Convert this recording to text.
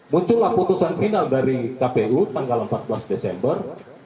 muncullah putusan final dari kpu tanggal empat belas desember